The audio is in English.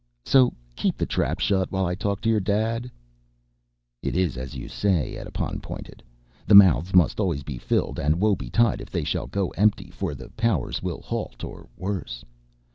"So keep the trap shut while I talk to your dad." "It is as you say," Edipon pointed. "The mouths must always be filled and woebetide if they shall go empty for the powers will halt or worse.